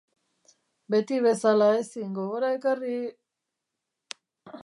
Beti bezala ezin gogora ekarri...